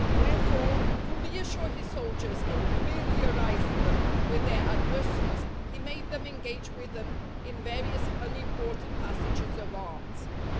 Wherefore, to reassure his soldiers and familiarize them with their adversaries, he made them engage with them in various unimportant passages of arms.